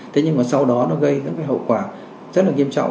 thế nhưng mà sau đó nó gây rất là hậu quả rất là nghiêm trọng